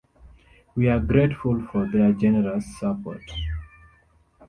We are grateful for their generous support.